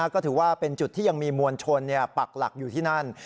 ก็ถือว่าเป็นจุดที่ยังมีมวลชนปักหลักอยู่ที่นั่น